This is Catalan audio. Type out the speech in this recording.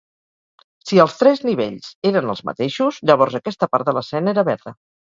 Si els tres nivells eren els mateixos, llavors aquesta part de l'escena era verda.